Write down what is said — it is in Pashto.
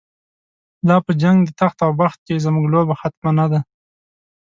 لاپه جنګ دتخت اوبخت کی، زموږ لوبه ختمه نه ده